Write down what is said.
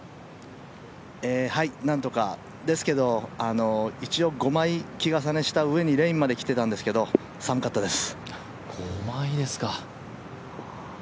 なんとかですけど、一応５枚着重ねしたうえにレインまで着てたんですけど寒かったです。